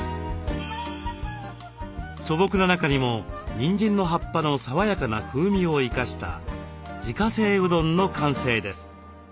素朴な中にもにんじんの葉っぱの爽やかな風味を生かした自家製うどんの完成です。